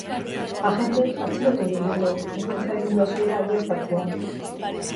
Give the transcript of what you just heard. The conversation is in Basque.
Agenteek atxilotu egin dute urruntze-agindua zuela egiaztatzean.